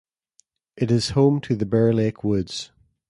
It is home to the Bear Lake Woods.